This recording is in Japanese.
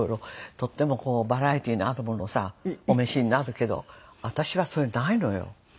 とてもバラエティーのあるものをお召しになるけど私はそれないのよ。